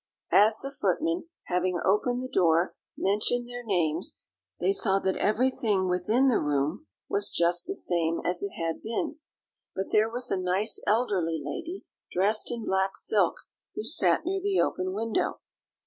As the footman, having opened the door, mentioned their names, they saw that everything within the room was just the same as it had been. But there was a nice elderly lady, dressed in black silk, who sat near the open window.